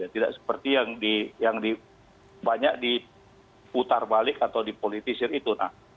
tidak seperti yang banyak diputar balik atau dipolitisir itu